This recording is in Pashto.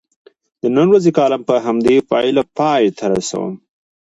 د نن ورځې کالم په همدې پایله پای ته رسوم.